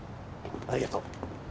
ありがとう。